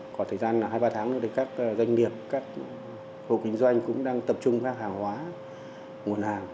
có thời gian hai ba tháng nữa các doanh nghiệp các hộp kinh doanh cũng đang tập trung các hàng hóa nguồn hàng